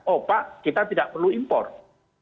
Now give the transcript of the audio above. oh pak kita tidak perlu impor karena stok kita cukup